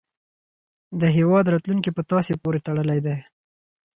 د هیواد راتلونکی په تاسې پورې تړلی دی.